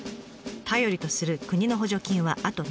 頼りとする国の補助金はあと２年です。